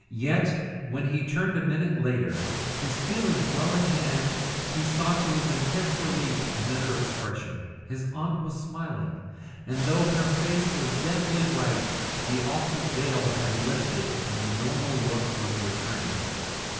Yet, when he turned a minute later, his feelings well in hand, he saw to his intense relief another expression; his aunt was smiling, and though the face was deathly white, the awful veil had lifted and the normal look was returning.